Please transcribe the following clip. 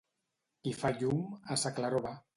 Qui fa llum, a sa claror va.